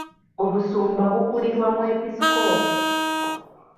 Obusumba bukulirwa mwepisikoopi.